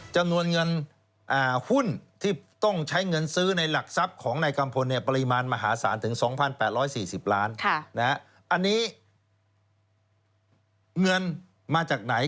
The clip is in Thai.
จำนวนเงินหุ้นที่ต้องใช้เงินซื้อในหลักทรัพย์ของนายกัมพลปริมาณมหาศาลถึง๒๘๔๐ล้านอันนี้เงินมาจากไหน